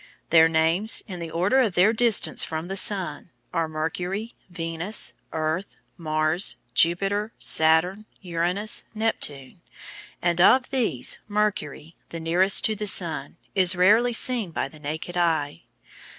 Their names, in the order of their distance from the sun, are Mercury, Venus, Earth, Mars, Jupiter, Saturn, Uranus, Neptune, and of these Mercury, the nearest to the sun, is rarely seen by the naked eye.